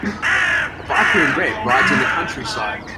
A biker in red rides in the countryside.